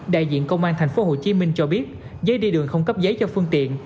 đại diện công an thành phố hồ chí minh cho biết giấy đi đường không cấp giấy cho phương tiện